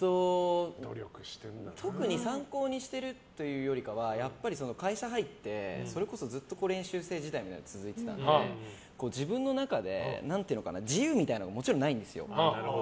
特に参考にしてるというよりかはやっぱり、会社に入ってそれこそ練習生時代も続いてたので自分の中で自由みたいなのはもちろんないんですよ。